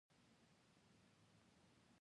ولایتونه د افغان تاریخ په کتابونو کې شته.